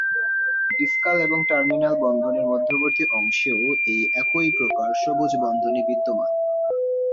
ডিসকাল এবং টার্মিনাল বন্ধনীর মধ্যবর্তী অংশেও এই একই প্রকার সবুজ বন্ধনী বিদ্যমান।